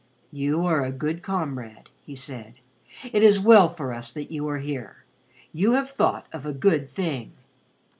"You are a good comrade," he said. "It is well for us that you are here. You have thought of a good thing."